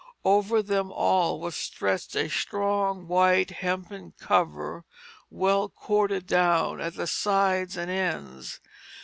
Over them all was stretched a strong, white, hempen cover, well corded down at the sides and ends.